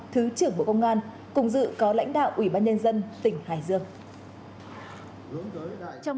thứ trưởng bộ công an cùng dự có lãnh đạo ủy ban nhân dân tỉnh hải dương